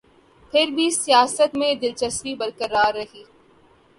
پھر بھی سیاست میں دلچسپی برقرار رہی۔